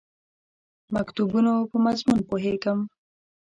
مکتوبونو په مضمون پوهېږم.